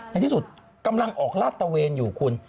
ในที่สุดกำลังออกลาดตะเวนอยู่คุณ